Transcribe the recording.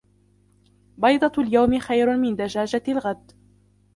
بيضة اليوم خير من دجاجة الغد.